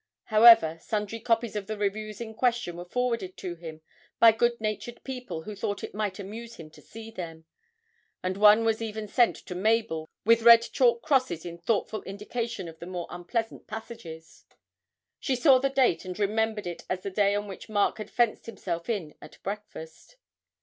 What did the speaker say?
However, sundry copies of the reviews in question were forwarded to him by good natured people who thought it might amuse him to see them, and one was even sent to Mabel with red chalk crosses in thoughtful indication of the more unpleasant passages; she saw the date, and remembered it as the day on which Mark had fenced himself in at breakfast.